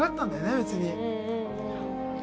別に。